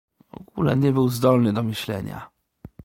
ogóle nie był zdolny do myślenia.